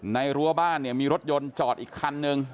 ในรั้วบ้านมีรถยนต์จอดอีกคันหนึ่ง